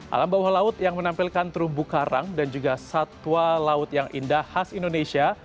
alam bawah laut yang menampilkan terumbu karang dan juga satwa laut yang indah khas indonesia